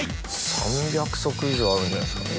３００足以上あるんじゃないですかね